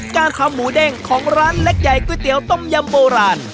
การทำหมูเด้งของร้านเล็กใหญ่ก๋วยเตี๋ยวต้มยำโบราณ